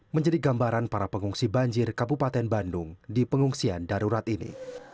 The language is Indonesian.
menjadi gambaran para pengungsi banjir kabupaten bandung di pengungsian darurat ini